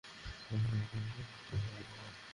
সে বলেছে তার সাথে সেখানে দেখা করতে।